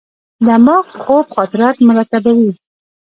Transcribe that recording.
دماغ په خوب خاطرات مرتبوي.